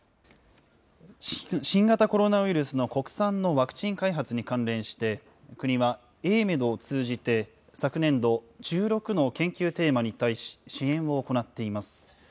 新型コロナウイルスの国産のワクチン開発に関連して、国はＡＭＥＤを通じて、昨年度、１６の研究テーマに対し、支援を行っています。